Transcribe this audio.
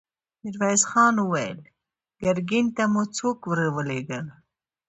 ميرويس خان وويل: ګرګين ته مو څوک ور ولېږه؟